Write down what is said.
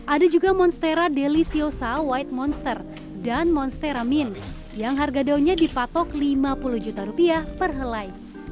ada juga monstera deliciosa white monster dan monstera min yang harga daunnya dipatok lima puluh juta rupiah per helai